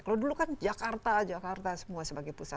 kalau dulu kan jakarta jakarta semua sebagai pusat